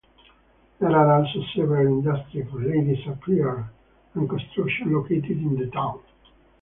There are also several industries of ladies apparel and construction located in the town.